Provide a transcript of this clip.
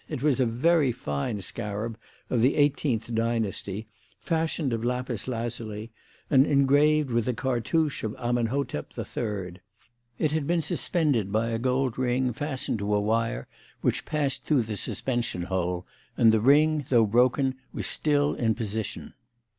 It was a very fine scarab of the eighteenth dynasty fashioned of lapis lazuli and engraved with the cartouche of Amenhotep III. It had been suspended by a gold ring fastened to a wire which passed through the suspension hole, and the ring, though broken, was still in position.